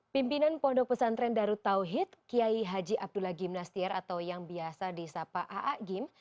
pimpinan pondok pesantren darut tauhid kiai haji abdullah gimnastiar atau yang biasa di sapa aak gim